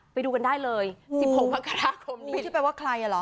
ไปดูกันได้เลยสิบหกมากาศาคมที่เป็นว่าใครอ่ะเหรอ